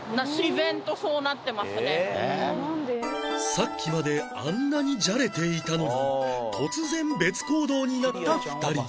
さっきまであんなにじゃれていたのに突然別行動になった２人